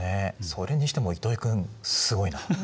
それにしても糸井君すごいな。